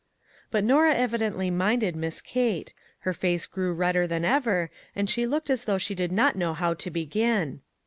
But Norah evidently minded Miss Kate ; her face grew redder than ever, and she looked as though she did not know how to begin.